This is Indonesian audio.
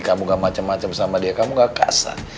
kamu gak macem macem sama dia kamu gak kasar